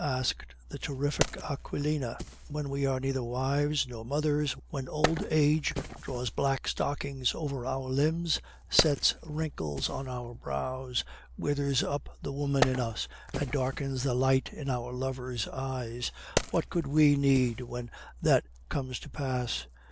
asked the terrific Aquilina. "When we are neither wives nor mothers, when old age draws black stockings over our limbs, sets wrinkles on our brows, withers up the woman in us, and darkens the light in our lover's eyes, what could we need when that comes to pass?